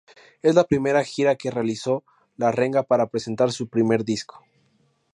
Es la primera gira que realizó La Renga para presentar su primer disco.